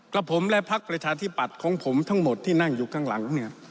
กับผมและพักประชาธิปัตย์ของผมทั้งหมดที่นั่งอยู่ข้างหลังเนี่ย